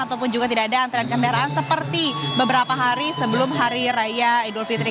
ataupun juga tidak ada antrian kendaraan seperti beberapa hari sebelum hari raya idul fitri